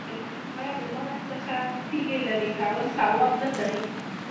آیا د لارې څخه د تیږې لرې کول ثواب نه دی؟